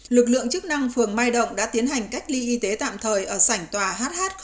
lực lượng chức năng phường mai động đã tiến hành cách ly y tế tạm thời ở sảnh tòa hh